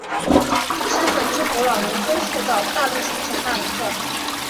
他们身份之古老能追溯到大陆形成的那一刻。